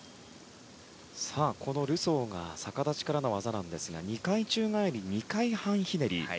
このルソーは逆立ちからの技ですが２回宙返り２回半ひねり。